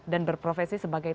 dan berprofesi sebegini